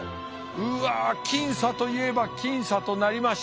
うわ僅差といえば僅差となりました。